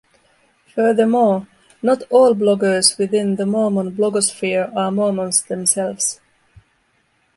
Furthermore, not all bloggers within the Mormon blogosphere are Mormons themselves.